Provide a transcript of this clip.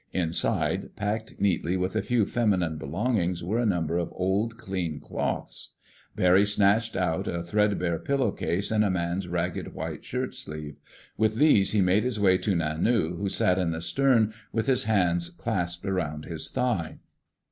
Inside, packed neatly with a few feminine belongings, were a number of old, clean cloths. Barry snatched out a threadbare pillowcase and a man's ragged white shirtsleeve. With these, he made his way to Nanu who sat in the stern with his hands clasped around his thigh.